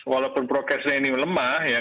walaupun prokesnya ini lemah